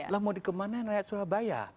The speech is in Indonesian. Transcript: lah mau dikemanin rakyat surabaya